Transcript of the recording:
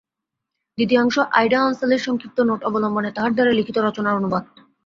দ্বিতীয়াংশ আইডা আনসেলের সংক্ষিপ্ত নোট অবলম্বনে তাঁহার দ্বারাই লিখিত রচনার অনুবাদ।